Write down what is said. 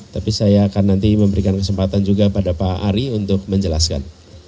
tapi saya akan nanti memberikan kesempatan juga pada pak ari untuk menjelaskan